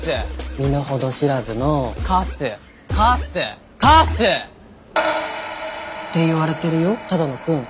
身の程知らずのカスカスカス！」って言われてるよ只野くん。